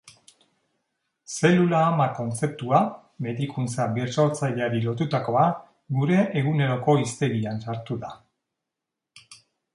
Zelula ama kontzeptua, medikuntza birsortzaileari lotutakoa, gure eguneroko hiztegian sartu da.